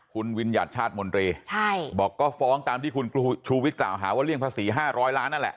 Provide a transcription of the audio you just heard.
คุณวิญญัติชาติมนตรีใช่บอกก็ฟ้องตามที่คุณชูวิทย์กล่าวหาว่าเลี่ยงภาษี๕๐๐ล้านนั่นแหละ